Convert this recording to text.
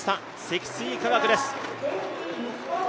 積水化学です。